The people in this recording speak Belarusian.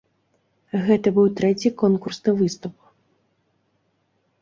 Гэта быў трэці конкурсны выступ.